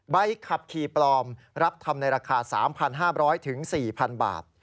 ใบขับขี่ปลอมรับทำในราคา๓๕๐๐๔๐๐๐บาท